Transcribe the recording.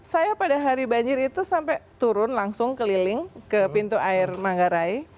saya pada hari banjir itu sampai turun langsung keliling ke pintu air manggarai